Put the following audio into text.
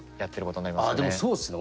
でもそうっすね。